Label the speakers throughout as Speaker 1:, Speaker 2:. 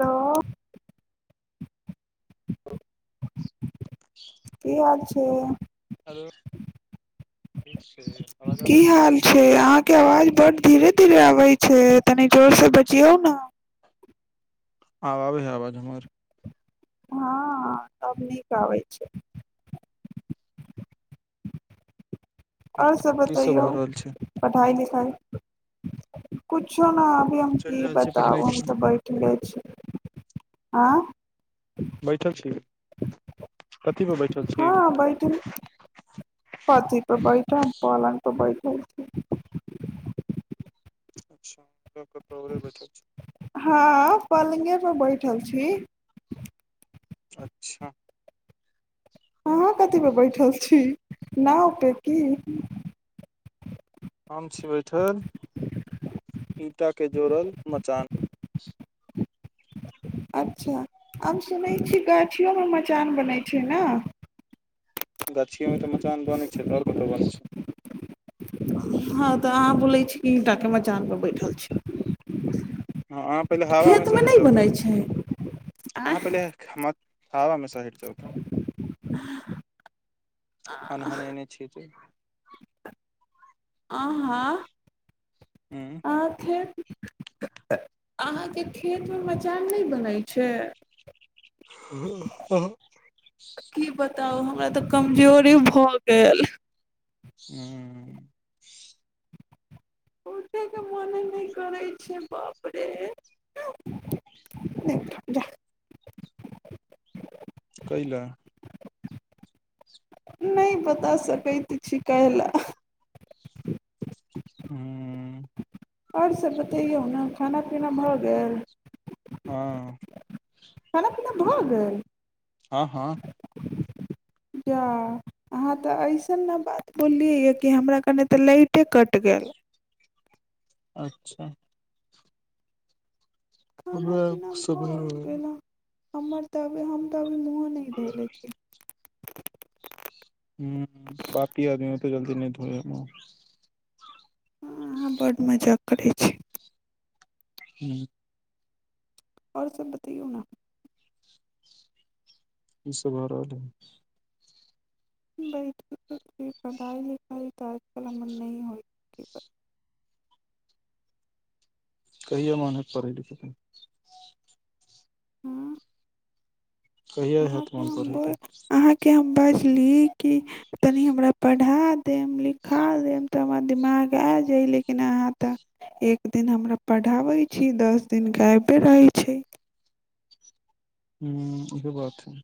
Speaker 1: तऽ
Speaker 2: आ
Speaker 1: की हाल छै
Speaker 2: ठ [unintelligible]
Speaker 1: की हाल छै अहाँके आवाज ज धीरे धीरे आबैत छै तनी जोर से बजीयौ ने
Speaker 2: आँ आै ह आवाज हमर
Speaker 1: हँ सभ नीक आबैत छै ओर सब
Speaker 2: की
Speaker 1: बतैयौ
Speaker 2: भऽ रहल छै
Speaker 1: पढ़ाई लिखाई कुछो न अभी हम
Speaker 2: चलि
Speaker 1: की
Speaker 2: रहल छै
Speaker 1: बताउ
Speaker 2: पढ़ाइ के
Speaker 1: हम
Speaker 2: समय।
Speaker 1: तऽ बैठले छी आंय
Speaker 2: बैठल छी कथी पर बैठल छी
Speaker 1: हँ बैठु कथी पर बैठब पलंग पर बैठब बैठु [inaudible]
Speaker 2: अच्छा कतौ औरे बैठल छी
Speaker 1: हँ पलंगे पे बैठल छी
Speaker 2: अच्छा
Speaker 1: अहाँ कथी पर बैठल छी नावपे की
Speaker 2: हम छी बैठल ईंटा के जोड़ल मचान [inaudible]
Speaker 1: अच्छा हम सुनै छी गाछियोमे मचान बनै छै न
Speaker 2: गाछिये मे तऽ मचान बनै छै तऽ आओर कतय बनै छै
Speaker 1: हँ तऽ अहाँ बोलै छी कि ईंटाके मचान पर बैठल छी
Speaker 2: हँ अहाँ पहिले हवा मे सँ
Speaker 1: खेतमे
Speaker 2: हटि
Speaker 1: नहि
Speaker 2: जाउ तऽ
Speaker 1: बनै छै आ
Speaker 2: अहाँ पहिले हवा मे सँ हटि जाउ तऽ हन हनेने छी जे
Speaker 1: अहाँ
Speaker 2: हूँ
Speaker 1: आ फेर [inaudible] अहाँके खेतमे मचान नहि बनै छै
Speaker 2: हँ अहंँ [inaudible]
Speaker 1: तऽ हमरा तऽ कमजोरी भऽ गेल
Speaker 2: हूँ
Speaker 1: उठैके मने नहि करै छै बाप रे देख जाह [inaudible]
Speaker 2: कैले
Speaker 1: नहि बता सकैत छी कयला
Speaker 2: हूँ
Speaker 1: आओर सभ बतैयौ न खाना पीना भऽ गेल
Speaker 2: हँ
Speaker 1: खाना पीना भऽ गेल
Speaker 2: हँ हँ
Speaker 1: जा अहाँ तऽ अइसन ने बात बोललियै कि हमरा कनि तऽ लाइटे कटि गेल
Speaker 2: अच्छा
Speaker 1: खाना पीना
Speaker 2: हमरा सब
Speaker 1: भ
Speaker 2: हूँ
Speaker 1: गेल अहां हमर तब हम तऽ अभी मुँहो नहि धोइले छी
Speaker 2: ह्म पापी आदमी एते जल्दी नहि धोय है मूँह
Speaker 1: अहाँ बड्ड मजाक करैत छी
Speaker 2: ह्म
Speaker 1: आओर सब बतैयौ न
Speaker 2: कि सभ भऽ रहल अछि
Speaker 1: बैठल छी पढ़ाइ लिखाइ तऽ आजकल हमर नहि होइत
Speaker 2: कहिओ अहाँ नै पढ़ै लिखै छी
Speaker 1: हूँ
Speaker 2: कहिया हैत
Speaker 1: अहाँके
Speaker 2: मोन
Speaker 1: हम
Speaker 2: पढ़ै के
Speaker 1: बौक अहाँके हम बजली कि तनि हमरा पढ़ा देम लिखा देम तऽ हमरा दिमाग आ जाय लेकिन अहां तऽ एक दिन हमरा पढ़ाबै छी दस दिन गायबे रहै छी
Speaker 2: [inaudible] हूँ ईहो बात है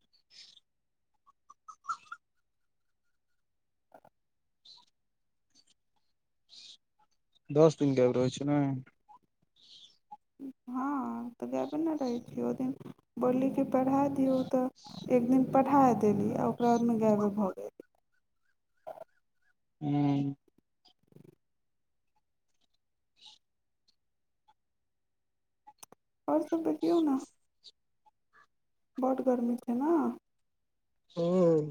Speaker 2: दस दिन गायब रहै छी नै
Speaker 1: हँ तऽ गायबे नै रहैत छिय ओहि दिन बोलली कि पढ़ा दियौ तऽ एक दिन पढ़ाय देली आ ओकरा बादमे गायबे भऽ गेली
Speaker 2: हू [unintelligible]
Speaker 1: और सब बजियौ न बड गर्मी छै न
Speaker 2: हां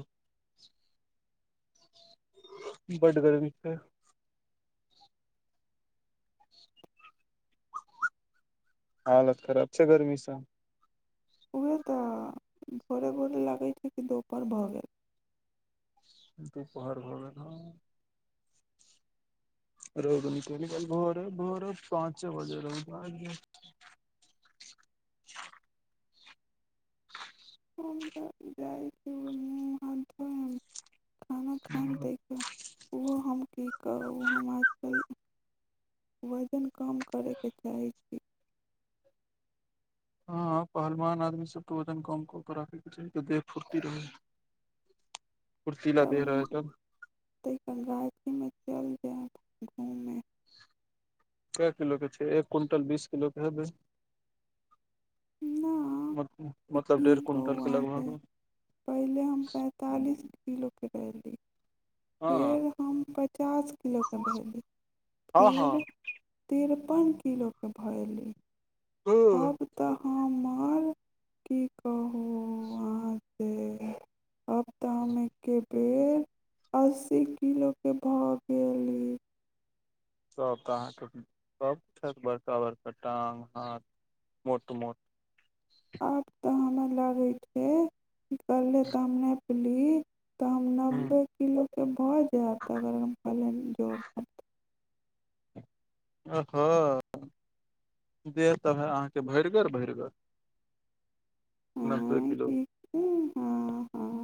Speaker 2: बड गर्मी छै हालत खराब छैक गर्मी सँ
Speaker 1: उएह तऽ भोरे भोरे लगैत छै कि दुपहर भऽ गेल
Speaker 2: दुपहर भर गेल ने रौद निकल के भोरे भोरे पाँच छओ बजे रह [inaudible]
Speaker 1: त जाइ मु हाथ खाना खाय देख ओहो हम कि करी वजन कम करय केँ चाहैत छी
Speaker 2: हँ पहलवान आदमी सबकेँ वजन कम क केँ को रखेय केँ चाही ताकी फुरती रहय छैक [inaudible]
Speaker 1: तब हम त गायती मे चल जायब घूमेमे [unintelligible]
Speaker 2: कए किलोकेँ छै एक क्विंटल बीस किलोकेँ हेबय
Speaker 1: ना
Speaker 2: मत मतलब डेढ़
Speaker 1: की
Speaker 2: कुिणटल
Speaker 1: कहू
Speaker 2: के लगभग
Speaker 1: अहाँसँ
Speaker 2: में
Speaker 1: पहिले हम पैतालिस किलो केँ रहली
Speaker 2: हँ
Speaker 1: फेर हम पचास किलो केँ भेली
Speaker 2: हँ हँ
Speaker 1: फेर तिरपन किलो क भाय ली
Speaker 2: ह
Speaker 1: आब तऽ हमर की कहू अहाँ केँ आब तऽ हम एके बेे अस्सी किलो केँ भऽ गेलिए
Speaker 2: सभ तऽ अहाँके सभठ बड़का बड़का टाँग हाथ मोट मोट
Speaker 1: आब तऽ हमर लड़ैके निकलले तऽ हम ने पली [unintelligible] तऽ हम नब्बे किलोकेँ भऽ जायत अगर हम पले जोब
Speaker 2: हँ देह तऽ ह अहाँके भरिगर भरिगर नब्बे
Speaker 1: आँय
Speaker 2: किलो
Speaker 1: की हँ हँ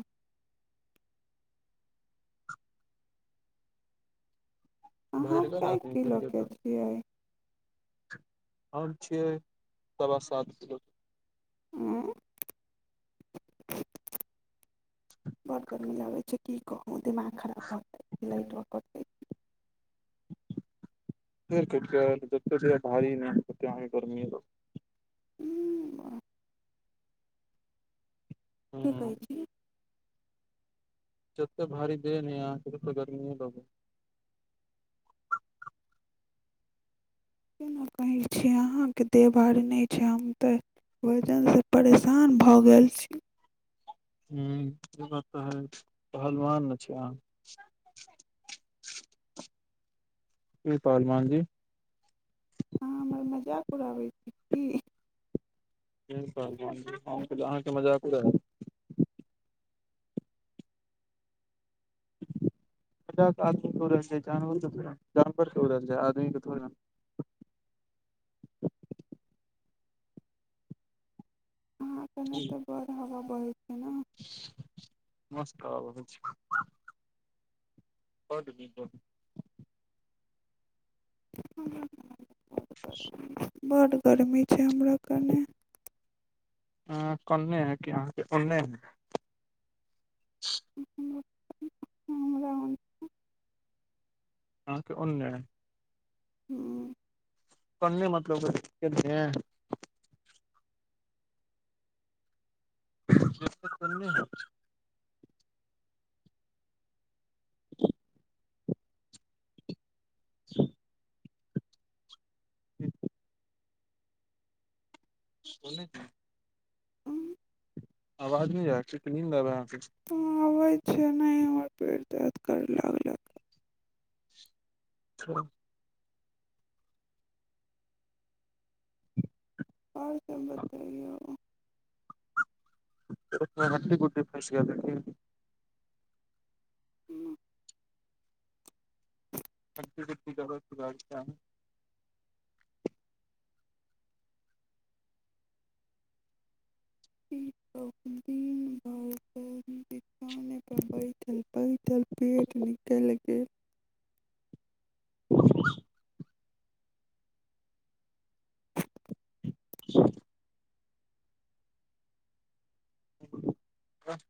Speaker 1: अहाँ
Speaker 2: भरिगर
Speaker 1: कै
Speaker 2: आदमी भलिय
Speaker 1: किलोके
Speaker 2: तऽ
Speaker 1: छियै
Speaker 2: हम छियै सवा सात किलो क
Speaker 1: ह बात करमे [unintelligible] की कहू दिमाग खराब भड़तै लाइटऽ कटलय
Speaker 2: [inaudible] जत भी नहिती गर्मी क [unintelligible]
Speaker 1: ह ठीकै
Speaker 2: ह
Speaker 1: जी
Speaker 2: ततैय भारी देर य आँख तऽ गर्मीए लगो [inaudible]
Speaker 1: केना
Speaker 2: [inaudible]
Speaker 1: अहाँके देह भारी नहि छै हम तऽ वजन सँ परेशान भऽ गेल छी
Speaker 2: ह बात तऽ हय पहलवान छियैक अहा कि पहलवान जी
Speaker 1: अहाँ हमर मजाक उड़ाबैत छी की
Speaker 2: आहाँ केँ मजाक उरायब [inaudible] आदमी रहल जानवर के हो रहल छै आदमीे के थोड़ [inaudible]
Speaker 1: अहा के नहि तऽ बढ़ हवा बहे छै ने [unintelligible]
Speaker 2: मस्त हवा बहैत छैक ब द दीप ब [inaudible]
Speaker 1: ह बड गर्मी छै हमरा कने
Speaker 2: अहां कन्ने है कि अहाँके ओने है
Speaker 1: हमरा
Speaker 2: अहाँके ओन्ने
Speaker 1: हँ
Speaker 2: पन्ने मतलब है केन्ने [unintelligible] [inaudible] श [unintelligible] ह्म [inaudible] बोलै छै [inaudible] आवाज नहि आय [unintelligible] छै कि नींद आबैया अहांके
Speaker 1: ह आबैत छैक नहि हमर पेट दर्द करय लागल हा
Speaker 2: ह [inaudible]
Speaker 1: आर सब बतैयौ [unintelligible]
Speaker 2: हड्डी गुड्डी फैस गेल य कि
Speaker 1: ह्म [inaudible]
Speaker 2: हड्डी गुड्डी जरत
Speaker 1: न [unintelligible] बैठल बैठल पेट निकलि गेल
Speaker 2: [inaudible] [inaudible] ह आ [unintelligible]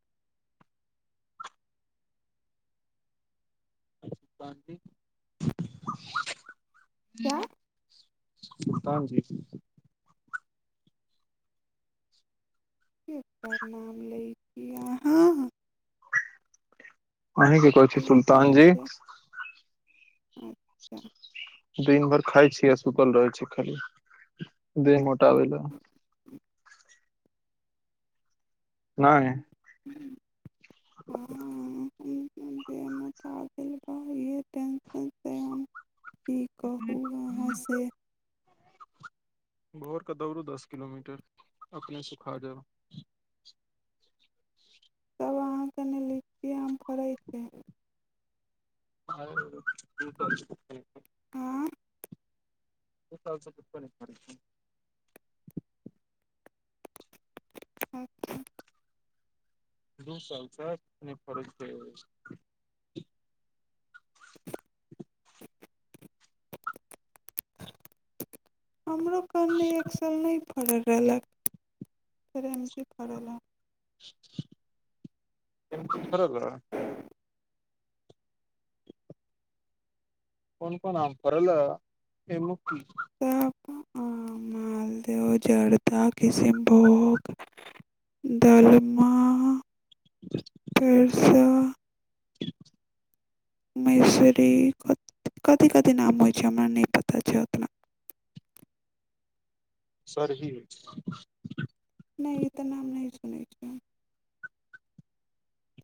Speaker 2: बांकि
Speaker 1: क्या
Speaker 2: ह्म [unintelligible] सुल्तान जी
Speaker 1: केकर नाम लैत छी अहाँ और
Speaker 2: अहीं केँ
Speaker 1: सब
Speaker 2: कहैत छी
Speaker 1: बतइयो की
Speaker 2: सुलतान
Speaker 1: हाल
Speaker 2: जी
Speaker 1: छै अच्छा
Speaker 2: दिन भरि खाय छी आ सुतल रहै छी खाली देह मोटाबे ल
Speaker 1: हाँ
Speaker 2: नहि
Speaker 1: ह [inaudible] देह मोटा गेल बा इहे टेंशन से हम की कहू अहाँसँ
Speaker 2: भोर क दौड़ू दस किलोमीटर अपने सुखा जायब
Speaker 1: तब अहाँके ने लीची आम फरैत अछि
Speaker 2: खाय और सुतल छी
Speaker 1: आँ [inaudible]
Speaker 2: सुतल स कि परेशानी छै
Speaker 1: अचछा [unintelligible]
Speaker 2: दू साल सँ नहि फरैत छैक [inaudible]
Speaker 1: हमरो कन्ने एक साल नहि फरैलक फेर एमकी फरल ह
Speaker 2: एमकी फरल अई कोन कोन आम फरल ऐ एमकी
Speaker 1: तऽ अप आम [unintelligible] मालदह जड़दालू किसिनभोग दलमा फेर स [unintelligible] मैसरी कथी कथी नाम होइ छै हमरा नहि पता छै ओतना
Speaker 2: सरही
Speaker 1: नहि ई तऽ नाम नहि सुनै छिय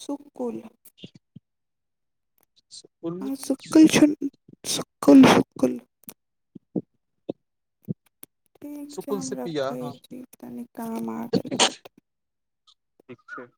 Speaker 1: सुकुल
Speaker 2: [inaudible] सुकुल
Speaker 1: आ सुकल छन सुकल सुकल ठीक छै
Speaker 2: सुकुल
Speaker 1: हम
Speaker 2: से पिया हँ
Speaker 1: रखैत छी तनि काम आ गेल पट
Speaker 2: ठीक छै